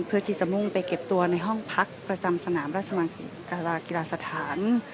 เพื่อที่จะมุ่งไปเก็บตัวในห้องพักประจำสนามราชมังกรากีฬาสถาน